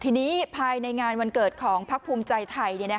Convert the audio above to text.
ทีนี้ภายในงานวันเกิดของพักภูมิใจไทย